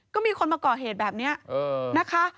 ก็มีคนมาก่อเหตุแบบนี้นะคะ